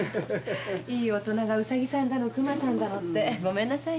いい大人がウサギさんだのクマさんだのってごめんなさいね。